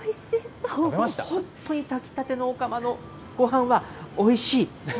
本当に炊き立てのお釜のごはんはおいしい。